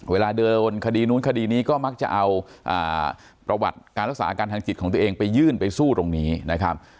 เวลาเดินคดีนู้นคดีนี้ก็มักจะเอาประวัติการรักษาอาการทางจิตของตัวเองไปยื่นไปสู้ตรงนี้นะครับ